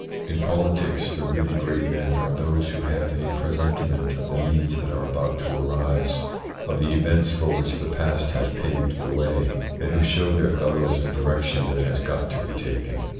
In politics the really great men are those who have a presentiment of the needs that are about to arise, of the events for which the past has paved the way, and who show their fellows the direction that has got to be taken.